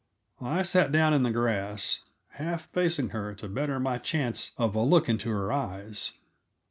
I sat down in the grass, half facing her to better my chance of a look into her eyes.